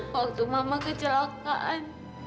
waktu mama kecelakaan